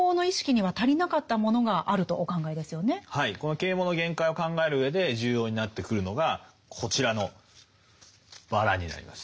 この啓蒙の限界を考える上で重要になってくるのがこちらの「薔薇」になります。